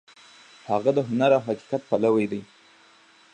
هغه د هنر او حقیقت پلوی دی.